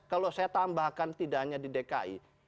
kalau saya tambahkan tidak hanya di dki